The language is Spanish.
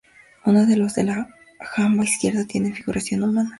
Uno de los de la jamba izquierda tiene figuración humana.